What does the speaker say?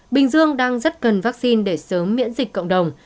bình dương đang rất cần vaccine để sớm miễn dịch cộng đồng